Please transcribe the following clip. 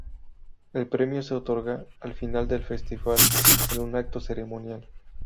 El premio se otorga al final del festival en un acto ceremonial.